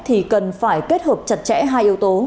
thì cần phải kết hợp chặt chẽ hai yếu tố